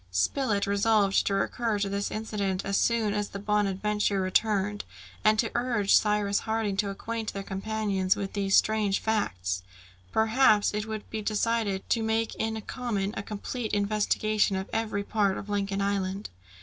Spilett resolved to recur to this incident as soon as the Bonadventure returned, and to urge Cyrus Harding to acquaint their companions with these strange facts. Perhaps it would be decided to make in common a complete investigation of every part of Lincoln Island.